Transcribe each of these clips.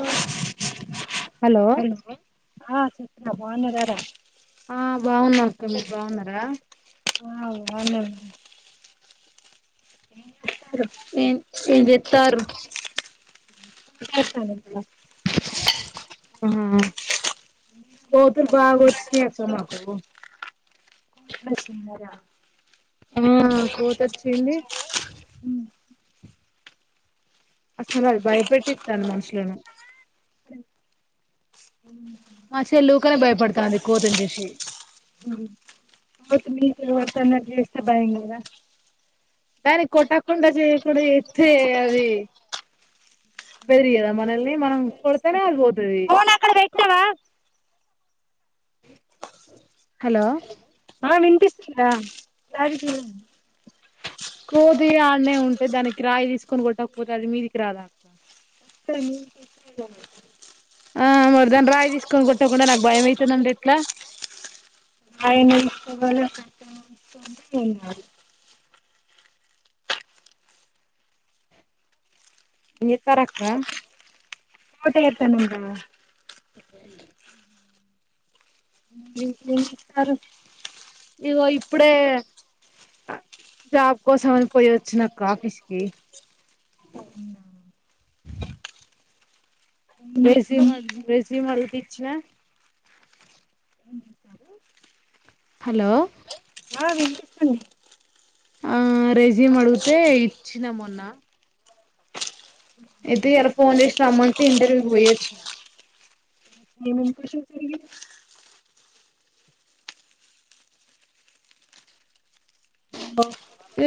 ఉ hello ఆ చైత్ర బాగున్నారా రా ఆ బాగున్నారు అక్క మీరు బాగున్నారా బాగున్నారు హలో ఏం ఏం చెతారు ఏం చేస్తారు అక్క ఆ కోతులు వస్తాను బాగా వచ్చినాయి అక్క నాకు [unintelligible] చిన్నర మ్ కోతొచ్చింది. అస్సలు అది భయపెట్టిత్తాంది మనుషులను. షెల్ ఊకెనే భయపడుతాంది. కోతిని చూసి. కోతి మీకు ఎవరికన్న అట్ల చేస్తే, భయం కాదా? దాన్ని కొట్టకుండా, చేయకుండా చేత్తె అది, బెదిరియ్యద మనల్ని, మనం కొడితేనే అది పోత్ ఫోన్ అక్కడ పెట్నావ? హలో అక్క వినిపిస్తుందా? అది కిలాన్ కోతి ఆడ్నే ఉంటే, దానికి రాయి తీసుకొని కొట్టకపోతే, అది మీదికి రాదా అక్క? [unintelligible] ఆ మరి దాన్ని రాయి తీసుకొని కొట్టకుండా, నాకు భయం అయితుందంటే ఎట్లా? ఆయన్ని తీసుకోవాలో [unintelligible] ఏం కాదు. ఏం చేత్తారక్క? ఆకలైతాందంట. మల్లి ఏం చెత్తారు? ఇగొ ఇప్పుడే, జాబ్ కోసం అని పోయచ్ చ్చిన అక్క ఆఫీస్కి. అవునా రెస్యూమ్ అడి, రెస్యూమ్ అడిగితే ఇచ్చిన. హలో ఆ వినిపిస్తుంది. ఆ రెస్యూమ్ అడుగుతే ఇచ్చిన మొన్న. అయితే, ఇయాల ఫోన్ చేసి రమ్మంటే ఇంటర్వ్యూ కి పోయొచ్చిన. ఏమేం క్వషన్స్ అడిగిర్రు?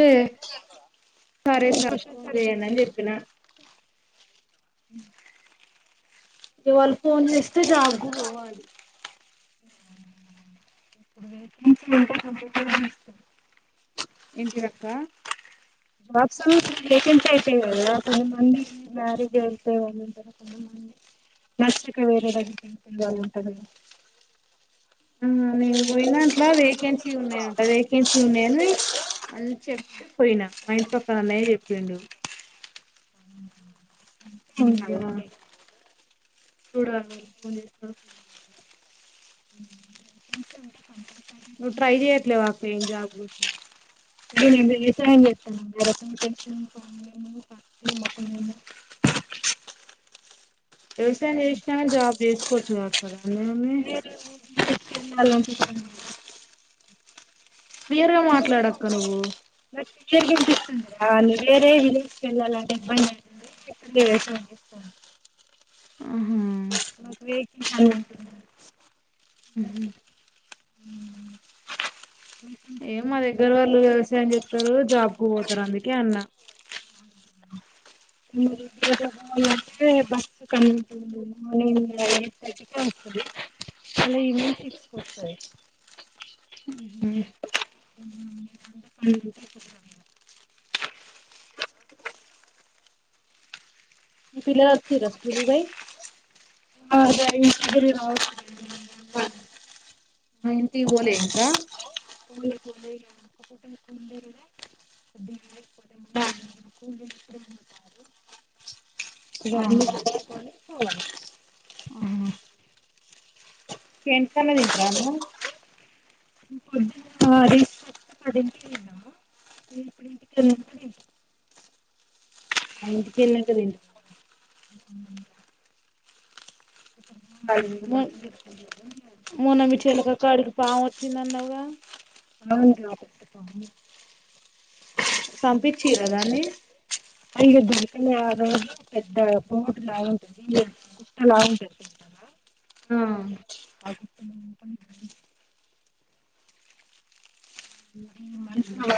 ఏ సరే ఏమేం సార్. క్వశ్చన్స్ ఫోన్ అడిగి చేయండి అని వచ్చారు చెప్పిన. ఇగ వాళ్ ఫోన్ చేస్తే జాబ్కు పోవాలి. ఇప్పుడు వేకెన్సీ ఉంటే కంపల్సరీ ఇస్తారు ఏంటిదక్క? వాత్సల్ ఇప్పుడు వేకెంట్ అయిపోయినాయి కదా! కొంత మంది మ్యారేజ్ వెళ్తావుంటరు, కొంతమంది నచ్చక వేరే దగ్గరికి ఎందుకు వెళ్లాలి అని ఉంటదిగా ఆ నే పోయినంట్లా వేకెన్సీ ఉన్నాయంట. వేకెన్సీ ఉన్నాయని, అని చెప్తే పోయినా. మా ఇంటి పక్కన అన్నయ్య చెప్పిండు. ఏంటవో [unintelligible] చూడారి మరి ఫోన్ చేస్తరో, ఫోన్ చేయరో. నువ్వు ట్రై చేయట్లేవా అక్క ఏం జాబుసా? అదే మేము వ్యవసాయం చేత్తన్నాం కదా [unintelligible] వ్యవసాయం చేసినాగాని, జాబ్ చేసుకోవచ్చు కదా అక్క దాన్ని మీరు [unintelligible] దాల్నుంచి కాదు [unintelligible] క్లియర్ గా మాట్లాడక్క నువ్వు నాకు క్లియర్ గినిపిస్తుంది కదా! నే వేరే విలేజ్ కెల్లాలంటే ఇబ్బందైతుంది. ఇక్కడ మీరు ఏసుకోండి. ఏసుకోండి. ఆహ నాకు వేకే [unintelligible] మ్హు ఏం మీకుంటాయా మా దగ్గర వాళ్ళు వ్యవసాయం చెత్తారు. జాబ్ కు పోతారు అందుకే అన్న. [unintelligible] బస్ కన్వీనియంట్ ఉండదు. మార్నింగ్ గూడా ఎయిట్ థర్టీ కె వస్త ది. మళ్ళీ ఈవనింగ్ సిక్స్ కి వస్తది. మ్మ్ మీ పిల్లలొత్తే ఈ రస్క్ లు వేయ్ ఆల్ రేడి తిరిగి రావ మ్ నువ్వు ఇంటికి బోలే ఇంకా బోలే గా ఉండే ఇగ అన్ని సదురు కుట్ను ఆహా చెంజ్ కన్న తింట్ర అను ఆ దీసుకోస్తా ఆడి ఇంటికెళ్ళిన నేను ఇప్పుడు ఇంటికెళ్ళిన అడిన్ ఆ ఇంటికెళ్ళినవ్ కద ఎళ్ళు మొ కాలేజీ మొన్న మీ [inaudible] చెలక కాడికి పాము వచ్చిందన్నావుగ అవును రా అక్కడికి పాము వచ్చింది. సంపించిర్రదాన్ని అయ్యో దాని పైన రోడ్డు పెద్ద బోట్లా ఉంటది గుట్టలా ఉంటది ఆ లోపల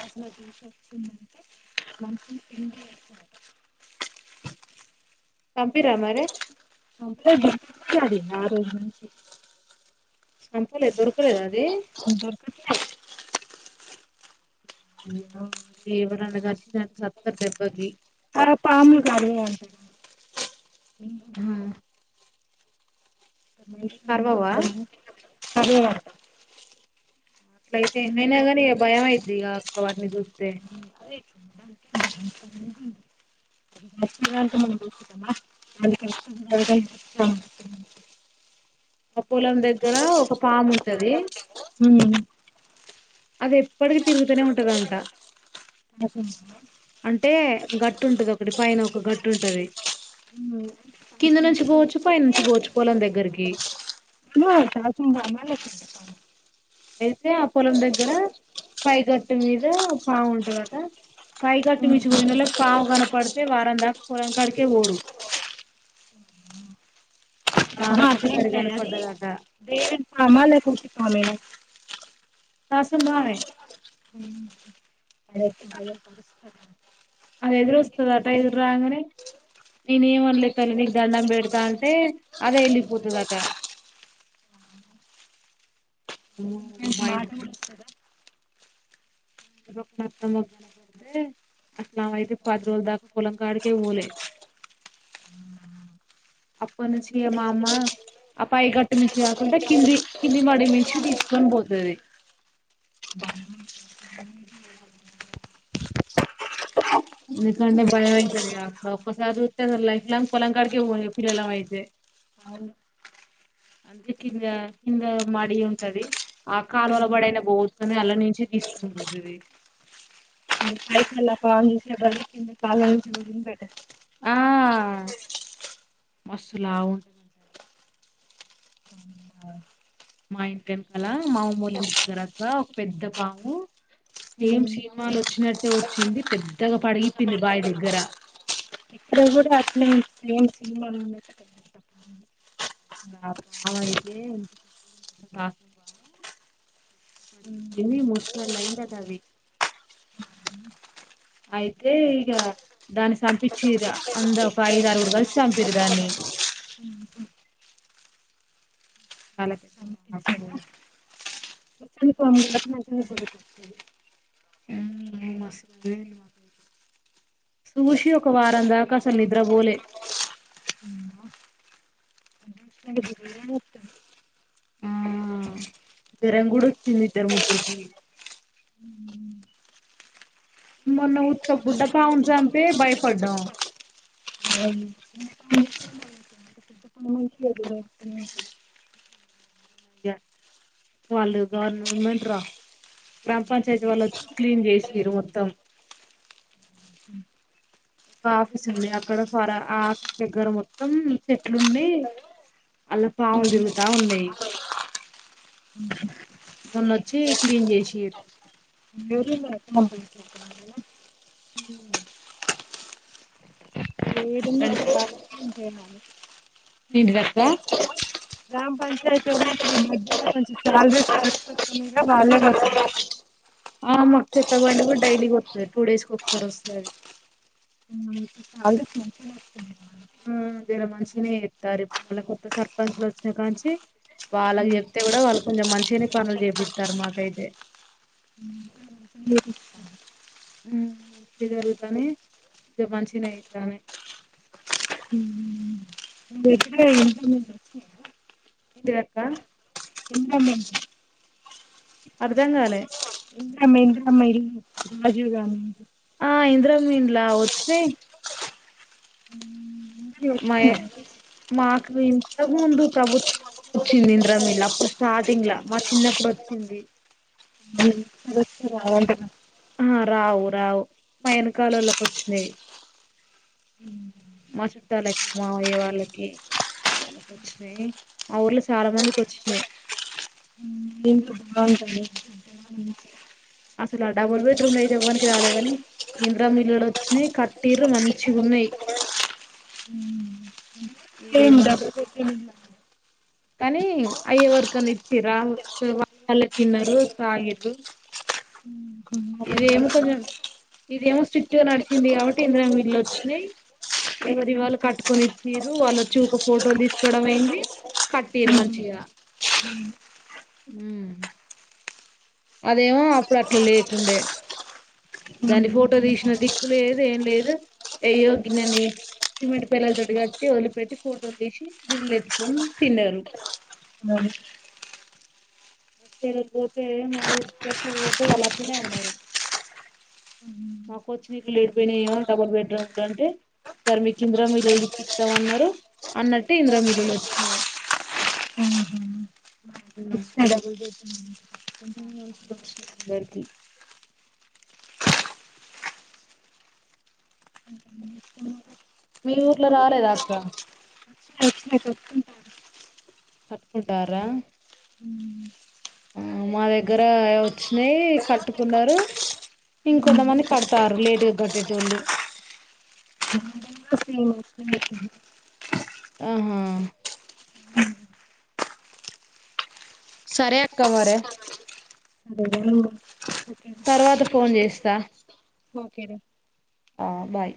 బయట్ని నించి వచ్చిదంట మంచం కింద చూశారు అట సంపిర్ర మరి చంపలేదు క్యాది ఆ రోజు నుంచి సంపలేదు దొరకలేదా అది దొరుకుత్నయ్ అయ్యే అది ఎవరినైన కరిసిదంటే సత్తరు దెబ్బకి తర పాములు కరవ్వంట అవి కర్వవా కర్వవంట అట్లయితే ఎన్ని అయినా గాని ఇగ భయం అయిద్ది గా అక్క వాటిని చూస్తే అరే లక్ష్మి కాంతమ్మ ని చూసొద్దమ ఆళ్ ఇక్కడ రూపాయి ఆ ఆ పొలం దగ్గర ఒక పాము ఉంటది మ్మ్ అది ఎప్పటికి తిరుగుతానే ఉంటదంట ఎఫన్స్లో అంటే గట్టు ఉంటది ఒకటి పైన ఒక గట్టు ఉంటది కింద కాల్షియం నుంచి బోచ్చు పైనుంచి బొచ్చుపోలం దగ్గరికి ఫుల్కాస్ తిందామ లేగ్ పీసెస్ కావాల అయితే ఆ పొలం దగ్గర పై గట్టు మీద పాముంటదట పై గట్టు మీచ్చి ఫామా బోయినోళ్ళకు పాముగనపడితే వారం దాకా పొలం కాడకే ఓరు ఆహా మానకొ అట్లేం లేదు అది వేరన్ పామ ఉత్తి పామనే రాసిందామె అదైతే భయం అది ఎదురు పరిస్థితి వస్తదట ఎదురు రాగంనే నేను ఏం అనలేదు తల్లి నీకు దండం బెడతా అంటే అదే ఎళ్లిపోతదట అమ్మో కనీసం మా మాట ఇంటి కూడ ఎత్తలేదు అప్పుడు అత్తమ్మ కనపడితే అస్లామ్ అయితే పది రోలు దాక పొలం కాడికే పోలే ఉ అప్ప నుంచి మా అమ్మ ఆ పై గట్టు మించి కాకుండా కిందియ్యి కింది మడిమ్ మించి తీసుకొని పోతది బ హా ఇకే బయ మాహతే రే కస ర ైఫ్లా పలకడకి పిలాలా మాహతే అవు అందుే కింద కింద మడి ఉంటది ఆ కాలువల పడయినా పోతుంది అల్ నుంచి తీసుకో పోదుే కాయితల పాంద దస బర్ కింద క తిన్ బేట మస్సులా ఉంటదంటారు మా ఇంటి వెనకాల మామూళ ఇంటి దగ్గరక ఒక పెద్ద పాము సేమ్ సినిమాలు వచ్చినట్టే వచ్చింది పెద్దగా పడిగిపోయింది బాయి దగ్గర ఇక్కడ కూడా అట్లేమ్ సినిమాలు ఉన్న బవ అయితే ఎంత పె కాస బావు ఎ ఉమ్ పడిని ముసలైందదవి అయితే ఇక దాన్ని చంపించ అంద ఒక ఐద ఆరుగురు కలిసి చంపరు దాన్ని [inaudible] అలకే సంపిచ్చేదా [unintelligible] [inaudible] ఊ మస్తు బయమైంది మాకు అయితే సుభుషి ఒక వారం దాక అసల్ నిద్రబోలే అంటే బిర్యానీ వస్తుంది. ఆ జరం గూడ వచ్చింది ఇద్దర ముగ్గురికి మొన్న ఉత్త బుడ్డ పావున్ జంపే భయపడ్డాం పెద్ద పని మనిషి ఎదురు వస్తున్నాయి. య వాళ్ళు [unintelligible] మెంటుర గ్రామ్ పంచాయితి వెళ్లొచ్చి క్లీన్ జేషీరు మొత్తం క ఆఫీస్ ఉంది అక్కడ ఫరా ఆ ఆఫీస్ దగ్గర మొత్తం చెట్లు ఉంది అళ్లా పావుల్ దిరుగుతా ఉన్నేయ్ మొన్నొచ్చి క్లీన్ జేషీర్ [inaudible] ఏదైనా ఇప్పుడు [inaudible] ఎంటిదక్కా యామ్ పంచాయితి ఉంది ఇప్పుడు ఈ మధ్యల కొంచెం సాలరీ [unintelligible] ఆ మాక్ చెత్త బండి గూడ్ డైలీ వత్తద్ టూ డేస్ కి ఒకసారి వస్తాది [unintelligible] మంచి [unintelligible] జరా మంచిగనే ఎత్తారు ఇప్ మళ్ళ కొత్త సర్పంచ్ వచ్చినాకనుంచి వాళ్ళగి జెప్తే గుడా వాళ్ళు కొంజెం మంచిగనే పనులు జేపిత్తారు మాకైతే ఉ మంచిగా జరుగుతానే [unintelligible] మంచిగనే అయితనే ఉ వచ్చినాయా ఏంటిదక్కా ఇంద్రమ్మ ఇల్లు అర్థంగాలే మజీవ్గానీ ఆ ఇంద్రమీండ్లా వచ్చినయ్ మయ [unintelligible] మాకు ఇంతగ్ ముందు ప్రభుత్వం ఒచ్చింది ఇంద్రామిల్ అప్పుడు స్టార్టింగ్ లా మా చిన్నప్పుడు ఒచ్చింది ఉ అవుంటగా ఆ రావు రావు మా ఎనకాలోల్లకి వచ్చినెయ్ మా చుట్టాలకి మావయ్య వాళ్ళకి వాళ్లకు వచ్చినెయ్ ఆ ఊర్లో చాలా మందికి వచ్చినయ్ మెంతుల్ బా ఉంటనే అసలు ఆ డబుల్ బెడ్రూంలు అయితే ఎవ్వనికి రాలేదు గని ఈ ఇందిరమ్మ ఇల్లులు వచ్చినెయ్ కట్టిర్రు మంచిగుం ఉమ్మ్ ఇ ఏ మనిషి కనీ అయ్యేవరికన్న ఇచ్చిరా వాళ్ళు వాళ్ళ తిన్నారు తాగిర్రు మా దగ్గర ఇదేమో ఎక్కువ కొంచెం ఇదేమో స్ట్రిక్ట్ గా నడిసింది గాబట్టి ఇంద్రం ఇల్లు వచ్చినెయ్ ఎవరి వాళ్ళు కట్టుకొని ఇచ్చిరు వాళ్లొచ్చి ఒక ఫోటోల్ దీసుకోవడం అయింది కట్టీరు మంచిగా ఊమ్మ్ అదేవో అప్పుడు అట్లా లేకుండే దాన్ని ఫోటో దీషిన దిక్కులేదు ఏం లేదు ఎయ్యో గిన్ననీ సిమెంట్ పిల్లల్ తోటి గట్టి వదిలిపెట్టి ఫోటోలు దీషి బిల్ ఎత్టుకొన్ తిన్నారు [unintelligible] చేయకపోతే మా ఊర్సు కోసం పోతే వాళ్ళట్లే అన్నారు మాకు వచ్చిన ఇల్లు ఏడికిపోయినాయో డబల్ బెడ్ రూమ్ లు అంటే ఈసారి మీకు ఇందిరమ్మ ఇల్లులు ఇప్పిస్తాం అన్నారు అన్నట్టు ఇంద్రమిల్లులు వచ్చినాయి ఉ మ్మ్ డబల్ బెడ్రూమ్ కొచ్చి దొరికి మీ ఊర్లో రాలేదా అక్క సే స కట్టుకుంటారా ఆ మా దగ్గర వచ్చినాయి కట్టుకున్నారు ఇంకొంతమంది కడతారు లేటుగా కట్టేటోళ్ళు స ఆహా సరే అక్క మరే సరేరా నువ్వు తర్వాత ఫోన్ చేస్తా ఓకే రా ఆ బాయ్